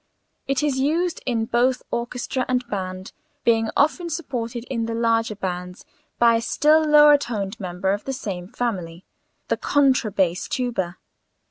It is used in both orchestra and band, being often supported in the larger bands by a still lower toned member of the same family the contra bass tuba.